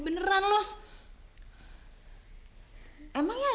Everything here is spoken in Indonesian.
ada orang ibu yang jahat